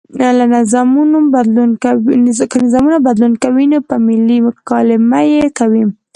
که نظامونه بدلون کوي نو په ملي مکالمه یې کوي.